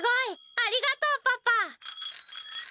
ありがとうパパ。